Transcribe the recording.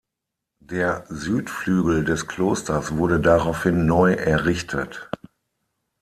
Der Südflügel des Klosters wurde daraufhin neu errichtet.